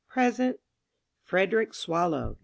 "Present." "Frederick Swallow."...